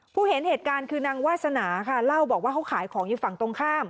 เห็นเหตุการณ์คือนางวาสนาค่ะเล่าบอกว่าเขาขายของอยู่ฝั่งตรงข้าม